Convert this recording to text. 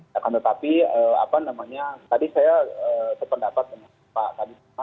tapi tadi saya sependapat dengan pak tadi sumat terkait ada proses yang harus dijalani dan ini dilakukan